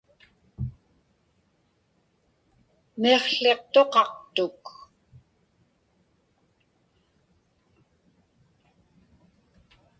Miqłiqtuqaqtuq.